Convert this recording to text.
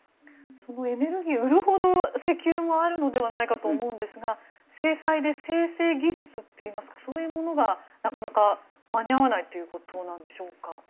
そのエネルギー売るほど石油もあるのではないかと思うんですが制裁で精製技術といいますかそういうものがなかなか間に合わないということなんでしょうか。